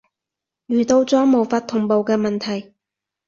遇到咗無法同步嘅問題